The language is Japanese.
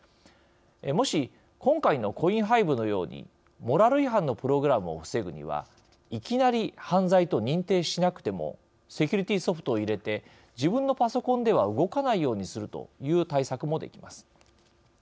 もし今回のコインハイブのようにモラル違反のプログラムを防ぐにはいきなり犯罪と認定しなくてもセキュリティーソフトを入れて自分のパソコンでは動かないようにするという対策もできます。